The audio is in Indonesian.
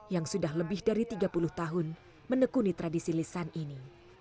yang sudah lebih dari tiga puluh tahun menekuni tradisi lisan ini